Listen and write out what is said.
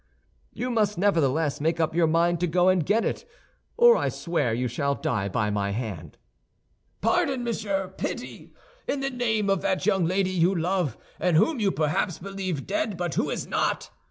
"You must nevertheless make up your mind to go and get it, or I swear you shall die by my hand." "Pardon, monsieur; pity! In the name of that young lady you love, and whom you perhaps believe dead but who is not!"